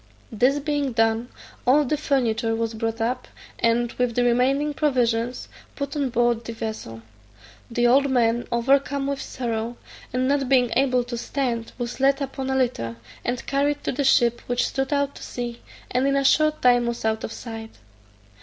This being done, all the furniture was brought up, and, with the remaining provisions, put on board the vessel. The old man, overcome with sorrow, and not being able to stand, was laid upon a litter, and carried to the ship, which stood out to sea, and in a short time was out of sight.